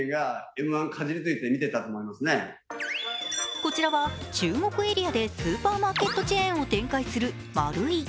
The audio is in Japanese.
こちらは中国エリアでスーパーマーケットチェーンを展開するマルイ。